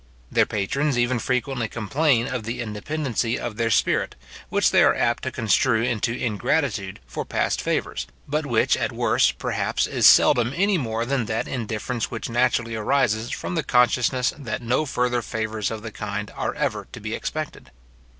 Their patrons even frequently complain of the independency of their spirit, which they are apt to construe into ingratitude for past favours, but which, at worse, perhaps, is seldom anymore than that indifference which naturally arises from the consciousness that no further favours of the kind are ever to be expected.